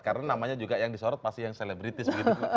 karena namanya juga yang disorot pasti yang selebritis gitu